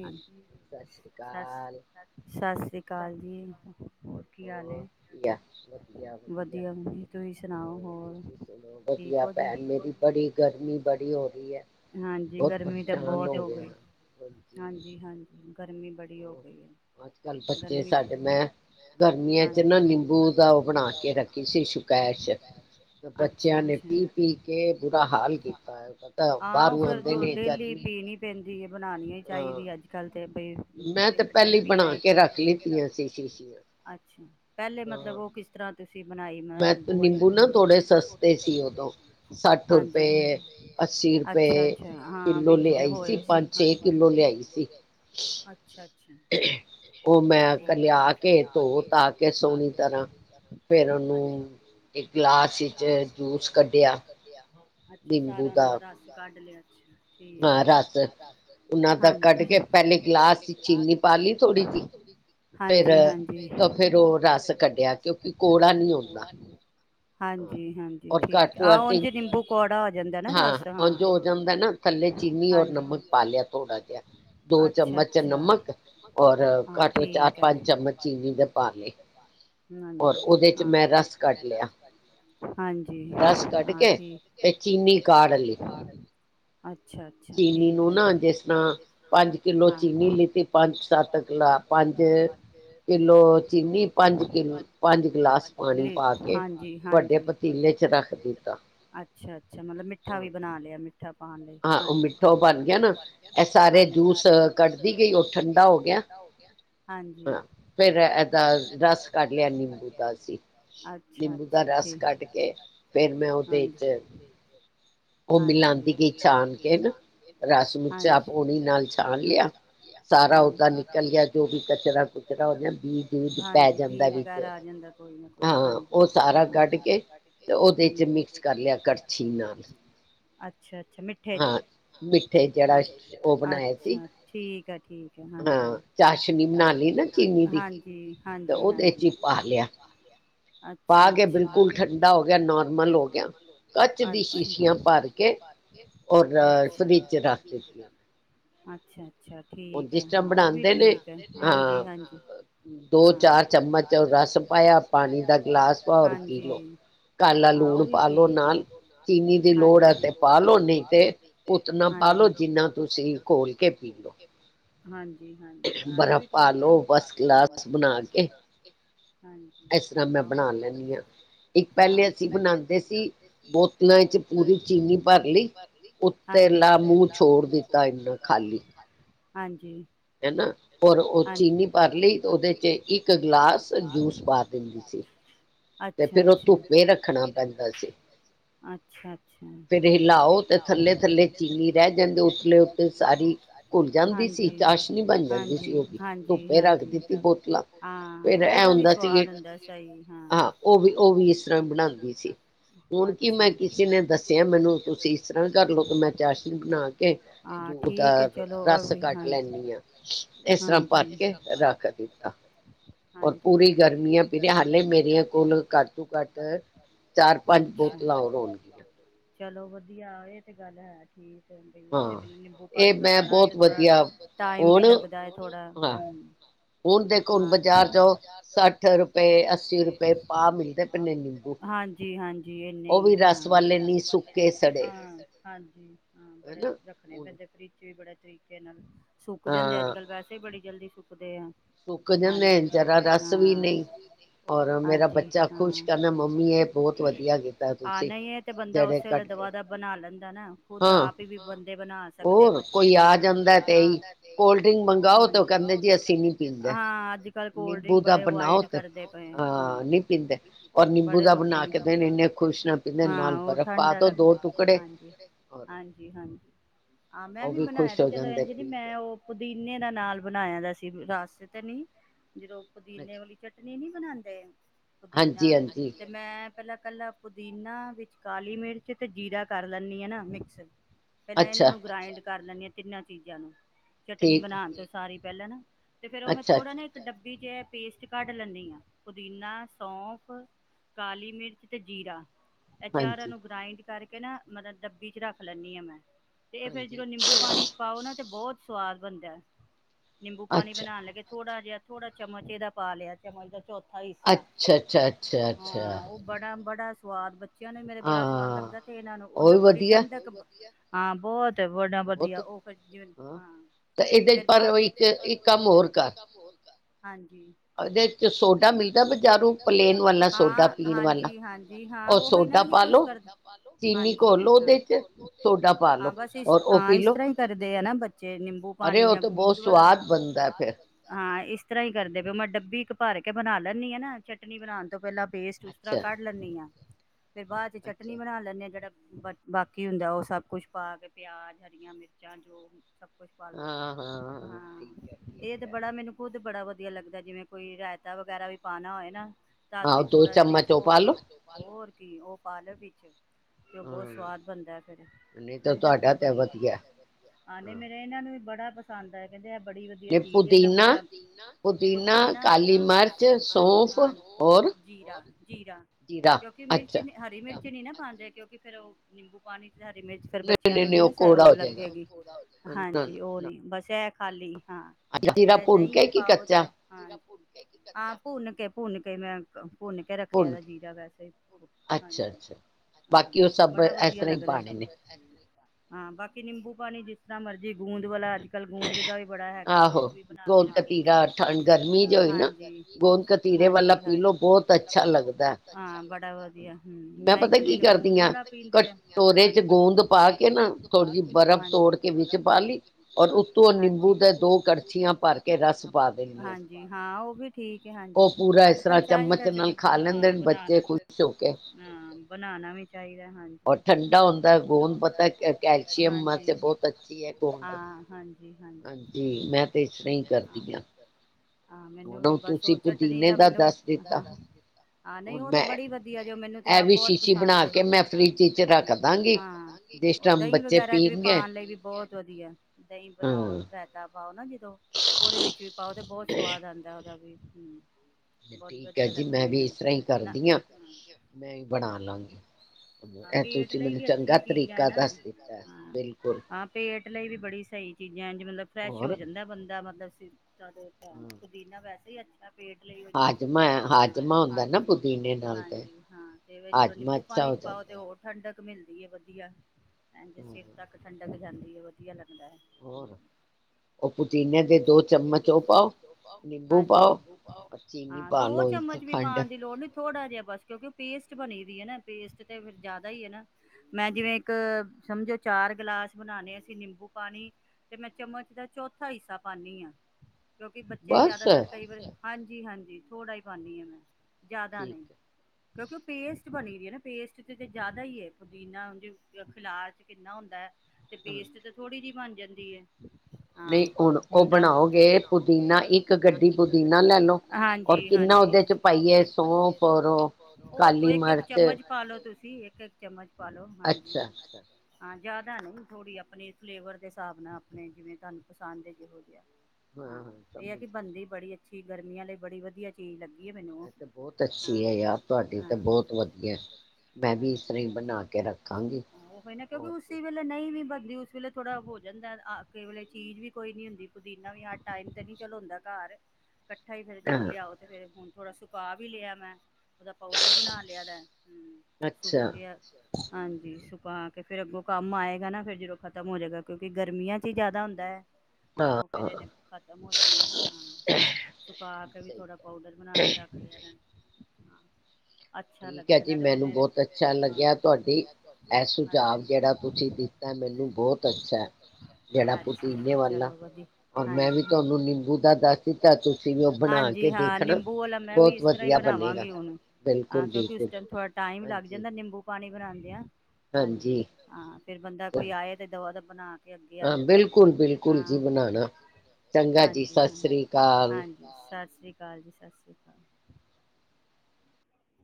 ਸਤਿ ਸ੍ਰੀ ਅਕਾਲ ਹੋਰ ਵਧੀਆ ਵਧੀਆ ਵਧੀਆ ਹ ਤੁਸੀਂ ਸੁਣੋ ਵਧੀਆ ਭੈਣ ਮੇਰੀ ਬੜੀ ਗਰਮੀ ਬੜੀ ਹੋ ਰਹੀ ਹੈ। ਬਹੁਤ ਪਰੇਸ਼ਾਨ ਹੋ ਗਿਆ। ਹਾਂਜੀ ਹਾਂਜੀ ਗਰਮੀ ਅੱਜ ਕੱਲ ਬੱਚੇ ਸਾਡੇ ਮੈਂ ਗਰਮੀਆਂ ਚ ਨਾ ਨਿੰਬੂ ਦਾ ਉਹ ਬਣਾ ਕੇ ਰੱਖੀ ਸੀ ਸ਼ਕੈਸ਼ ਬੱਚਿਆਂ ਨੇ ਪੀ-ਪੀ ਕੇ ਬੁਰਾ ਹਾਲ ਕੀਤਾ ਪਤਾ ਬਾਹਰੋਂ ਆਉਂਦੇ ਨੇ ਗਰਮੀ ੀ ਹੈ [inaudible] ਬਣਾਉਣੀ ਚਾਹੀਦੀ ਅੱਜ ਕੱਲ ਤੇ ਪੀ ਅੱਛਾ ਪਹਿਲੇ ਮਤਲਬ ਉਹ ਕਿਸ ਤਰ੍ਹਾਂ ਤੁਸੀਂ ਬਣਾਈ। [unintelligible] ਮੈਂ ਨਿੰਬੂ ਨਾ ਥੋੜੇ ਸਸਤੇ ਸੀ ਉਦੋਂ ਸੱਠ ਰੁਪਏ ਅੱਸੀ ਰੁਪਏ ਕਿੱਲੋ ਲਿਆਈ ਸੀ। ਹਾਂ ਅੱਛਾ- [unintelligible] ਉਹ ਮੈਂ ਲਿਆ ਕੇ ਧੋ ਧਾ ਕੇ ਸੋਹਣੀ ਤਰ੍ਹਾਂ ਫੇਰ ਉਹਨੂੰ ਇੱਕ ਗਲਾਸ ਵਿੱਚ ਜੂਸ ਕੱਢਿਆ। ਅੱਛਾ ਸਾਰਿਆਂ ਉਨਾ ਦਾ ਰਸ ਕੱਢ ਲਿਆ। ਅੱਛਾ [unintelligible] ਠੀਕ ਹੈ। ਹਾਂ ਰਸ ਕੱਢ ਕੇ ਪਹਿਲੇ ਗਲਾਸ ਚ ਚੀਨੀਪਾ ਕੇ ਥੋੜੀ ਜੀ ਫਿਰ ਰਸ ਕਢਿਆਕੋੜਾ ਨਹੀ ਹੁੰਦਾ। [unintelligible] ਹਾਂਜੀ ਹਾਂਜੀ ਠੀਕ ਆਹ ਉਝ ਨਿੰਬੂ ਕੌੜਾ ਹੋ ਜਾਂਦਾ ਨਾ ਰਸ ਹਾਂ। ਨਮਕ ਪਾ ਲਿਆ ਥੋੜਾ ਜਿਹਾ ਦੋ ਚਮਚ ਨਮਕ ਔਰ ਚਾਰ ਪੰਜ ਚਮਚ ਚੀਨੀ ਦੇ ਪਾ ਲਏ ਹਜੀ ਹਾਂਜੀ ਹਾਂ ਠੀਕ [unintelligible] ਅੱਛਾ- ਅੱਛਾ- ਚੀਨੀ ਨੂੰ ਨਾ ਜਿਸ ਤਰ੍ਹਾਂ ਪੰਜ ਕਿਲੋ ਚੀਨੀ ਲਿੱਤੀ ਪੰਜ ਸੱਤਲਾ ਪੰਜ ਕਿਲੋ ਚੀਨੀ ਪੰਜ ਗਿਲਾਸ ਪਾਣੀ ਪਾ ਕੇ ਵੱਡੇ ਪਤੀਲੇ ਚ ਰੱਖ ਦਿੱਤਾ। ਅੱਛਾ ਅੱਛਾ ਮਤਲਬ ਮਿੱਠਾ ਵੀ ਬਣਾ ਲਿਆ ਮ ਮਿੱਠਾ ਪਾਣੀ ਲਈ ਹਾਂਜੀ ਠਾ ਬਣ ਗਿਆ ਨਾ ਇਹ ਸਾਰੇ ਜੂਸ ਕੱਢਦੀ ਗਈ ਉਹ ਠੰਢਾ ਹੋ ਗਿਆ ਹਾਂ ਫੇਰ ਇਹਦਾ ਰਸ ਕੱਢ ਲਿਆ ਨਿੰਬੂ ਦਾ ਅਸੀਂ ਨਿੰਬੂ ਦਾ ਰਸ ਕੱਢ ਕੇ ਫੇਰ ਮੈਂ ਉਹਦੇ ਚ ਉਹ ਮਿਲਾਉਂਦੀ ਗਈ ਛਾਣ ਕੇ। ਰਸ ਨੂੰ ਚਾਹ ਪੋਣੀ ਨਾਲ ਛਾਨ ਲਿਆ ਸਾਰਾ ਉਹਦਾ ਨਿਕਲ ਗਿਆ ਜੋ ਵੀ ਕਚਰਾ ਕੁਚਰਾ ਉਹ ਬੀਜ-ਬੂਜ ਪੈ ਜਾਂਦਾ ਵਿੱਚ ਹਾਂ ਉਹ ਸਾਰਾ ਕੱਢ ਕੇ ਤੇ ਉਹਦੇ ਚ ਮਿਕਸ ਕਰ ਲਿਆ ਕੜਛੀ ਨਾਲ। ਅੱਛਾ-ਅੱਛਾ ਮਿੱਠੇ ਚ। ਅੱਛਾ ਠੀਕ ਆ ਠੀਕ ਆ ਹਾਂਜੀ-ਹਾਂਜੀ, ਹਾਂਜੀ-ਹਾਂਜੀ। ਅੱਛਾ-ਅੱਛਾ ਪਾ ਕੇ ਬਿਲਕੁਲ ਠੰਡਾ ਹੋ ਗਿਆ ਨੋਰਮਲ ਹੋ ਗਿਆ, ਅੱਛਾ ਕੱਚ ਦੀ ਸ਼ੀਸ਼ੀਆਂ ਭਰ ਕੇ ਅ ਫਰਿਜ ਚ ਰੱਖ ਦਿੱਤੀਆਂ। ਅੱਛਾ। ਅੱਛਾ ਠੀਕ ਐ। ਹਾਂ ਉਹ ਵੀ ਠੀਕ ਐ। ਹਾਂਜੀ-ਹਾਂਜੀ, ਹਾਂ ਦੋ ਚਾਰ ਚਮਚ ਰਸ ਪਾਇਆ ਹਾਂਜੀ ਪਾਣੀ ਦਾ ਗਿਲਾਸ ਪਾਓ ਹਾਂ ਉਹ ਵੀ ਠੀਕ ਐ। ਹਾਂਜੀ ਨਾਲੋ ਨਾਲ ਚੀਨੀ ਦੀ ਲੋੜ ਐ ਤੇ ਪਾ ਲਓ ਨਹੀ ਉਤਨਾ ਪਾਲੋ ਜਿੰਨਾ ਤੁਸੀਂ ਘੋਲ ਕੇ ਪੀ ਲਓ। ਹਾਂਜ ਹਾਂਜੀ ਆ ਵੀ ਠੀਕ ਐ, ਹਾਂਜੀ ਹਾਂ ਉਹ ਤੇ ਹਾਂ। ਹਾਂਜੀ। ਹਾਂਜੀ। ਹਨਾ ਹੋਰ ਉਹ ਚੀਨੀ ਭਰ ਲਈ ਤੇ ਉਹਦੇ ਚ ਇੱਕ ਗਲਾਸ ਜੂਸ ਪਾ ਦਿੰਦੀ ਸੀ। ਅੱਛਾ-ਅੱਛਾ, ਅੱਛਾ-ਅੱਛਾ। ਥੱਲੇ ਚੀਨੀ ਰਹਿ ਜਾਂਦੀ ਉਸ ਲੇ ਉੱਤੇੇ ਸਾਰੀ ਘੁੱਲ ਜਾਂਦੀ ਸੀ ਚਾਸ਼ਨੀ ਬਣ ਜਾਂਦੀ ਸੀ ਉਹ ਵੀ ਧੁੱਪੇ ਰੱਖ ਦਿੱਤੀ ਬੋਤਲਾਂ ਫਿਰ ਇਹ ਹੁੰਦਾ ਸੀ। ਹਾਂ ਉਹ ਵੀ ਉਹ ਵੀ ਇਸ ਤਰ੍ਹਾਂ ਬਣਾਉਂਦੀ ਸੀ। ਹੁਣ ਕੀ ਮੈਂ ਕਿਸੇ ਨੇ ਦੱਸਿਆ ਮੈਨੂੰ ਤੁਸੀਂ ਇਸ ਤਰ੍ਹਾਂ ਕਰ ਹੁਣ ਮੈਂ ਚਾਸ਼ਨੀ ਬਣਾ ਕੇ ਜੋ ਉਹਦਾ ਰੱਸ ਕੱਢ ਲੈਨੀ ਆ। ਇਸ ਤਰ੍ਹਾਂ ਭਰ ਕੇ ਰੱਖ ਦਿੱਤਾ। ਹਾਂਜੀ ਠੀਕ ਐ ਅੱਛਾ। ਚਲੋ ਵਧੀਆ ਇਹ ਗੱਲ ਹੈ ਠੀਕ ਵੇ ਨਿੰਬੂ ਪਾਣੀ ਬਣਾਉਣਾ ਸੀ ਤੇ ਥੋੜਾ ਟਾਈਮ ਵੀ ਲੱਗਦਾ ਹੈ ਥੋੜਾ ਹਮ ਹ ਹਾਂਜੀ ਹਾਂਜੀ। ਜੀ ਇੰਨੇ ਈ ਐ ਹਾਂ ਹਾਂ। ਹਾਂਜੀ ਹਾਂ ਬੜੇ ਰੱਖਣੇ ਪੈਂਦੇ ਫਰਿਜ ਚ ਵੀ ਬੜ ਤਰੀਕੇ ਨਾਲ। ਸੁੱਕ ਜਾਂਦੇ ਅੱਜ ਕੱਲ ਵੈਸੇ ਬੜੀ ਜਲਦੀ ਸੁ ਸੁੱਕਦੇ ਆ। ਸੁੱਕ ਜਾਂਦੇ ਜਰਾ ਰਸ ਵੀ ਨਹੀਂ ਔਰ ਮੇਰਾ ਬੱਚਾ ਖੁਸ਼ ਕਹਿੰਦਾ ਮੰਮੀ ਇਹ ਬਹੁਤ ਵਧੀਆ ਕੀਤਾ ਤੁਸੀਂ ਜਿਹੜੇ ਕੱਢ ਕੇ ਹਨਾ ਖੁਦ ਆਪ ਹੀ ਵੀ ਬੰਦੇ ਬਣਾ ਸਕਦੇ ਆ ਬੱਚੇ ਵੀ ਹਾਂ ਹਾਂਜੀ। ਹਾਂ ਅੱਜ ਕੱਲ੍ਹ ਕੋਲਡ ਡਰਿੰਕ ਬੜੇ ਅਵਾਇਡ ਕਰਦੇ ਪਏ, ਹਾਂ ਬੜੇ ਲੋਕ ਨੇ ਹਾਂ ਉਹ ਠੰਡ ਲੱਗਦਾ ਹਾਂਜੀ। ਹਾਂਜੀ ਹਾਂਜੀ। ਹਾਂ ਮੈਂ ਵੀ ਬਣਾਇਆ ਤੇ ਚਲੋ ਇੰਜ ਨਹੀਂ ਮੈਂ ਉਹ ਪੁਦੀਨੇ ਦਾ ਨਾਲ ਬਣਾਇਆ ਦਾ ਸੀ ਰਸ ਤੇ ਨਹੀਂ ਜਦੋਂ ਪੁਦੀਨ ਵਾਲੀ ਚਟਨੀ ਨਹੀਂ ਬਣਾ ਪੁਦੀਨਾ ਤੇ ਮੈਂ ਪਹਿਲਾਂ ਇਕੱਲਾ ਪੁਦੀਨਾ ਵਿੱਚ ਕਾਲੀ ਮਿਰਚ ਤੇ ਜੀਰਾ ਕਰ ਲੈ ਨਾ ਮਿਕਸ ਪਹਿਲਾਂ ਇਹਨਾਂ ਨੂੰ ਗ੍ਰਾਇੰਡ ਕਰ ਲੈਂਦੀ ਹਾ ਤਿੰਨਾਂ ਚੀਜ਼ਾਂ ਨੂੰ। ਚਟਨੀ ਬਣਾਉਣ ਤੇ ਸਾਰੀ ਪਹਿਲਾਂ ਨਾ ਤੇ ਫੇਰ ਮੈਂ ਥੋੜਾ ਨਾ ਇੱਕ ਡੱਬ ਵੀ ਜੇ ਪੇਸਟ ਕੱਢ ਲੈਂਦੀ ਹਾਂ ਪੁਦੀਨਾ, ਸੌਂਫ, ਕਾਲੀ ਮਿਰਚ, ਤੇ ਜੀਰਾ। ੲੈ ਚਾਰਾਂ ਨੂੰ ਗ੍ਰਾਇੰਡ ਕਰ ਕੇ ਨਾ ਮਤਲਬ ਡਬੀ ਚ ਰੱਖ ਲੈਂਦੀ ਹਾ ਮੈਂ। ਤੇ ਇਹ ਫੇਰ ਜਦੋਂ ਨਿੰਬੂ ਪਾਣੀ ਚ ਪਾਓ ਨਾ ਤੇ ਬਹੁਤ ਸਵਾਦ ਬਣਦਾ ਹੇ। ਨਿੰਬੂ ਪਾਣੀ ਬਣਾਉਣ ਲੱਗੇ ਥੋੜਾ ਹਾ ਥੋੜਾ ਚਮਚ ਇਹਦਾ ਪਾ ਲਿਆ ਚਮਚ ਦਾ ਚੌ ਉਹ ਬੜਾ ਬੜਾ ਸਵਾਦ ਬ ਬੱਚਿਆਂ ਨੂੰ ਵੀ ਮੇਰੇ ਬੜਾ ਸਵਾਦ ਲੱਗਦਾ, ਤੇ ਇਹਨਾਂ ਨੂੰ ਉਹਨਾਂ ਬੜੀ ਠੰਡਕ ਹਾਂ ਬਹੁਤ ਤੇ ਬੜਾ ਵਧੀਆ ਉਹ ਫਿਰ ਜੀ ਹਾਂ ਫਿਰ ਬਾਅਦ ਵਿੱਚ ਹੋ ਹਾਂਜੀ ਦੇਖ ਹਾਂ ਹਾਂਜੀ ਹਾਂਜੀ ਹਾਂ ਓਹੀ ਨਾ ਹੀ ਕੁਛ ਕਰਦਾ ਹਾਂਜੀ ਹਾਂ ਬਸ ਹਾਂ ਇਸ ਤਰ੍ਹਾਂ ਹੀ ਕਰਦੇ ਆ ਨਾ ਬੱਚੇ ਨਿੰਬੂ ਪਾਣੀ ਜਾਂ ਗੂੰਦ ਵਗੈਰਾ ਹਾ ਇਸ ਤਰ੍ਹਾਂ ਹੀ ਕਰਦੇ ਫਿਰ ਮੈਂ ਡੱਬੀ ਭਰ ਕੇ ਬਣਾ ਲੈਂਦੀ ਆ ਨਾ, ਚਟਨੀ ਬਣਾਉਣ ਤੋਂ ਪਹਿਲਾਂ? ਪੇਸਟ ਉਸ ਤਰ੍ਹਾਂ ਕੱਢ ਲੈਂਨੀ ਹਾਂ। ਫਿਰ ਬਾਅਦ ਚਟਨੀ ਬਣਾ ਲੈਂਨੀ ਹਾਂ ਜੜਾ ਬਾਕੀ ਹੁੰਦਾ ਉਹ ਸਭ ਕੁਛ ਪਾ ਕੇ-ਪਿਆਜ, ਹਰੀਆਂ ਮਿਰਚਾਂ ਜੋ ਸਭ ਕੁਛ ਪਾਲੋ ਹਾਂ, ਇਹ ਤੇ ਬੜਾ ਮੈਨੂੰ ਖੁਦ ਬੜਾ ਵਧੀਆ ਲੱਗਦਾ, ਜਿਵੇਂ ਕੋਈ ਰਾਇਤਾ ਵਗੈਰਾ ਵੀ ਪਾਉਣਾ ਹੋਏ ਨਾ। ਤਦ ਵੀ ਥੋੜਾ ਜਿਹਾ ਵਿੱਚੋ ਹੋ। ਕਿ ਉਹ ਪਾਲੋ ਵਿੱਚ। ਤੇ ਉਹ ਬਹੁਤ ਸਵਾਦ ਬਣਦਾ, ਫਿਰ ਠੰਡਕ ਵੀ ਬੜੀ ਏਨਾ ਨੂੰ ਵੀ ਬੜਾ ਪਸੰਦ ਆਇਆ, ਕਹਿੰਦੇ ਬੜੀ ਵਧੀਆ ਚੀਜ਼, ਇਨਾ ਬੜਾ ਪੁਦੀਨਾ ਹਾਂਜੀ, ਕਾਲੀ ਮਿਰਚ ਸੌਂਫ਼ ਜੀਰਾ, ਜੀਰਾ, ਕਿਉਂਕਿ ਮਿਰਚ ਹਰੀ ਮਿਰਚ ਵਿੱਚ ਨੀ ਨਾ ਪਾਉਂਦੇ, ਕਿਉਂਕਿ ਫਿਰ ਉਹ ਨਿੰਬੂ ਪਾਣੀ। ਹਰੀ ਮਿਰਚ ਫਿਰ ਬੱਚਿਆਂ ਨੂੰ ਨੀ ਨਾ, ਉਹ ਲੱਗੇਗੀ। ਹਾਂਜੀ, ਉਹ ਨੀ, ਬਸ ਇਹ ਖਾਲੀ। ਹਾਂ, ਤੇ ਚਾਹੇ ਦਹੀਂ ਚ ਪਾਓ, ਚਾਹੇ ਹਾਂ। ਹਾਂ, ਭੂਨ ਕੇ, ਭੂਨ ਕੇ ਮੈਂ ਭੁੰਨ ਕੇ ਰੱਖਿਆ ਜੀਰਾ, ਵੈਸੇ ਹਾਂਜੀ, ਬੜਾ ਵਧੀਆ ਲੱਗਦਾ। ਹਾਂ, ਬਾਕੀ ਨਿੰਬੂ ਪਾਣੀ ਜਿਸ ਤਰ੍ਹਾਂ ਮਰਜ਼ੀ, ਗੂੰਦ ਵਾਲਾ ਅੱਜਕਲ ਗੂੰਦ ਦਾ ਵੀ ਬੜਾ ਹੈਗਾ, ਗੂੰਦ ਵੀ ਬਣਾ ਕੇ ਰੱਖੀ ਦੀ ਏ। ਹਾਂਜੀ ਹਾਂ ਹਾਂਜੀ ਹਾਂਜੀ ਗੋਂਦ ਕਤਿਰੇ ਵਾਲਾ ਪੀ ਲੌ ਹਾਂ ਬੜਾ ਵਦੀਆਂ ਹਮ ਮੈਂ ਇਕ ਦਿਨ ਗੂੰਦ ਵਾਲਾ ਪੀਂਦੇ ਆ ਹੂੰਦ ਪਾ ਹਾਂਜੀ ਬਰਫ ਥੋੜਕੇ ਔਰ ਉੱਤੋਂ ਨਿੰਬੂ ਦੇ ਦੋ ਕੜਛੀਆਂ ਭਰ ਕੇ ਰਸ ਪਾ ਦੇਣੀਆਂ। ਹਾਂ, ਉਹ ਵੀ ਠੀਕ ਹੈ, ਹਾਂਜੀ ਆਜ ਕਲ ਚਾਹੀਦਾ ਚਲੋ ਬਣਾ ਵਿ ਚਾਹੀਦਾ ਹੈ, ਠੰਡਾ ਹੁੰਦਾ ਹੈ ਬੋਨਸ ਵਾਸਤੇ ਕੈਲਸ਼ੀਅਮ ਹੁਦਾ ਬੋਹੁਤ ਅਛਾ ਹਾਂਜੀ, ਹਾਂਜੀ। ਹਾਂ, ਮੈਨੂੰ ਵੀ ਬਸ ਉਹ ਚਟਨੀ ਦਾ। ਮੈਨੂੰ ਨਹੀਂ, ਉਹ ਤੇ ਬੜੀ ਵਧੀਆ ਜੋ ਮੈਨੂੰ ਤੇ ਆਪ ਬਹੁਤ ਪਸੰਦ ਏ। ਉਹ ਦਹੀਂ ਵਗੈਰਾ ਚ ਵੀ ਪਾਨ ਲਾਇ ਬੋਹੁਤ ਵਦੀਆ ਏ ਪਾਓ ਨਾ, ਜਦੋਂ ਉਹਦੇ ਵਿੱਚ ਵੀਚ ਪਾਓ ਤੇ ਬਹੁਤ ਸੁਵਾਦ ਆਂਦਾ ਉਹਦਾ ਵੀ। ਹਮ। ਬਹੁਤ ਵਧੀਆ ਲੱਗਦੀ ਆ ਮੈਨੂੰ, ਹਾਂ। ਪੇਟ ਲਈ ਵੀ ਅੱਛੀ ਚੀਜ਼ਾਂ ਨਾ ਹਾਂ, ਪੇਟ ਲਈ ਵੀ ਬੜੀ ਸਹੀ ਚੀਜ਼ਾਂ ਮਤਲਬ, ਫਰੈਸ਼ ਹੋ ਜਾਂਦਾ ਬੰਦਾ, ਮਤਲਬ। [inaudible] ਪੁਦੀਨਾ ਵੈਸੈ ਹੀ ਅਛਾ ਹਾਜਮਾ ਹਾਜ਼ਮਾ ਹੁੰਦਾ ਨਾ ਪੁਦੀਨੇ ਨਾਲ ਤੇ ਹਾਜਮਾ ਅੱਛਾ ਹੋ ਜਾਂਦਾ ਮਿਲਦੀ ਹੈ ਵਧੀਆ ੇ ਸਿਰ ਤੱਕ ਠੰਡਕ ਹਾਂਜੀ ਵਧੀਆ ਲਿਆਉ ਹੋਰ ਉਹ ਪੁਦੀਨੇ ਦੇ ਦੋ ਚਮਚ ਉਹ ਪਾਓ ਹਾਂਜੀ ਹਾਂ ਦੋ ਚਮਚ ਵੀ ਪਾਉਣ ਦੀ ਲੋੜ ਨੀ ਥੋੜ੍ਹਾ ਜਿਹਾ ਬਸ ਕਿਉਂਕਿ ਪੇਸਟ ਬਣੀ ਦੀ ਹੈ ਨਾ ਪੇਸਟ ਤੇ ਫਿਰ ਜ਼ਿਆਦਾ ਹੀ ਹੈ ਨਾ ਮੈਂ ਜਿਵੇਂ ਇੱਕ ਸਮਝੋ ਚਾਰ ਗਿਲਾਸ ਬਣਾਉਾਨਣੇ ਅਸੀਂ ਨਿੰਬੂ ਪਾਣੀ ਤੇ ਮੈਂ ਚਮਚ ਦਾ ਚੌਥਾ ਹਿੱਸਾ ਪਾਦੀ ਹਾਂ ਕਿਉਂਕਿ ਬੱਚੇ ਜਿਆਦਾਤਰ ਕਈ ਵਾਰੀ ਹਾਂਜੀ ਹਾਂਜੀ ਥੋੜ੍ਹਾ ਹੀ ਪਾਉਦੀ ਹਾਂ ਮੈਂ ਜ਼ਿਆਦਾ ਨਹੀਂ ਕਿਉਂਕਿ ਉਹ ਪੇਸਟ ਬਣੀਦੀ ਹੈ ਨਾ ਪੇਸਟ 'ਤੇ ਤਾਂ ਜ਼ਿਆਦਾ ਹੀ ਹੈ ਪੁਦੀਨਾ ਹੇ ਖਿਆਲ 'ਚ ਕਿੰਨਾ ਹੁੰਦਾ ਕੀ ਤੇ ਪੇਸਟ ਤੇ ਥੋੜੀ ਜਿਹੀ ਬਣ ਜਾਂਦੀ ਹੈ ਨਹੀਂ ਹੁਣ ਉਹ ਬਣਾਓਗੇ ਪੁ ਪੁਦੀਨਾ ਇੱਕ ਗੱਡੀ ਪੁਦੀਨਾ ਲੈ ਲਓ ਔਰ ਕਿੰਨਾ ਉਹਦੇ ਚ ਪਾਈਏ ਸੌਂਪ ਕਾਲੀ ਮਿਰਚ ਸੀ ਇੱਕ ਇੱਕ ਚਮਚ [inaudible] ਜ਼ਿਆਦਾ ਨਹੀਂ ਥੋੜ੍ਹੀ ਆਪਣੇ ਫਲੇਵਰ ਦੇ ਹਿਸਾਬ ਨਾਲ ਆਪਣੇ ਜਿਵੇਂ ਤੁਹਾਨੂੰ ਪਸੰਦ ਹੈ ਜਿਹੋ ਜਿਹਾ [unintelligible] ਇਹ ਹੈ ਕਿ ਬੰਦੀ ਬੜੀ ਅੱਛੀ ਗਰਮੀਆਂ ਵਾਲ ਬੜੀ ਵਧੀਆ ਚੀਜ਼ ਲੱਗੀ ਇਹ ਤੇ ਬਹੁਤ ਅੱਛੀ ਹੈ ਯਾਰ ਤੁਹਾਡੀ ਤਾਂ ਬਹੁਤ ਵਧੀਆ ਮੈਂ ਵੀ ਇਸ ਤਰ੍ਹਾਂ ਹੀ ਬਣਾ ਕੇ ਰੱਖਾਂਗੀ ਹੋਰ ਦੀ ਉਸ ਵੇਲੇ ਥੋੜ੍ਹਾ ਹੋ ਜਾਂਦਾ ਵੇਲੇ ਚੀਜ਼ ਵੀ ਕੋਈ ਹੁੰਦੀ ਪੁਦੀਨਾ ਵੀ ਹਰ ਟਾਈਮ ਤੇ ਨਹੀਂ ਚਲੋਦਾ ਘਰ ਇਕੱਠਾ ਹੀ ਫੇਰ ਜਦੋਂ ਲਿਆਓ ਫਿਰ ਹੁਣ ਥੋੜਾ ਸਕਾ ਵੀ ਲਿਆ ਮੈਂ ਉਹਓਦਾ ਪਾਊਡਰ ਬਣਾ ਲਿਆ ਦਾ ਹਮ ਸੁੱਕ ਗਿਆ ਹਾਂਜੀ ਸੁ ਕੇ ਫਿਰ ਅੱਗੋਂ ਕੰਮ ਆਏਗਾ ਨਾ ਫਿਰ ਜਦੋਂ ਖਤਮ ਹੋ ਜਾਵੇਗਾ ਕਿਉਂਕਿ ਗਰਮੀਆਂ 'ਚ ਹੀ ਜ਼ਿਆਦਾ ਹੁੰਦਾ ਹੈ ਅੱਗੋਂ ਫਿਰ ਇਹਨੇ ਖਤਮ ਹੋ ਸਕਾ ਕੇ ਵੀ ਥੋੜਾ ਪਾਊਡਰ ਬਣਾ ਕੇ ਰੱਖ ਲਿਆ ਅੱਛਾ ਲੱਗਦਾ ਅੱਛਾ ਚਲੋ ਵਧੀਆ ਹਾਂਜੀ ਹਾਂਜੀ ਨਿੰਬੂ ਦਾ ਦੱਸ ਦਿਤਾ, ਤੁਸੀਂ ਵੀ ਉਹ ਬਣਾ ਕੇ ਦੇਖਣਾ ਬਹੁਤ ਵਧੀਆ ਬਣੇਗਾ। ਬਿਲਕੁਲ ਹਾਂ ਕਿਉਂਕਿ ਉਸ ਟਾਈਮ ਥੋੜ੍ਹਾ ਟਾਈਮ ਲੱਗ ਜਾਂਦਾ ਨਿੰਬੂ ਪਾਣੀ ਬਣਾਉਂਦਿਆਂ ਹਾਂਜੀ ਹਾਂ ਫਿਰ ਬੰਦਾ ਕੋਈ ਆਏ ਤਾਂ ਦਬਾ ਦਬ ਬਣਾ ਤੇ ਅੱਗੇ ਆ ਜਾਂਦਾ, ਹਾਂ। ਹਾਂਜੀ ਚੰਗਾ ਜੀ ਸਤਿ ਸ਼੍ਰੀ ਅਕਾਲ ਸਤਿ ਸ਼੍ਰੀ ਅਕਾਲ ਜੀ, ਸਤਿ ਸ਼੍ਰੀ ਅਕਾਲ।